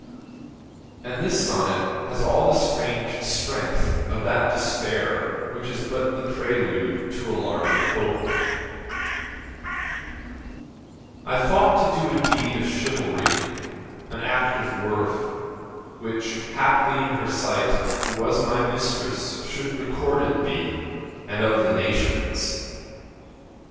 And this sonnet has all the strange strength of that despair which is but the prelude to a larger hope: I thought to do a deed of chivalry, An act of worth, which haply in her sight Who was my mistress should recorded be And of the nations.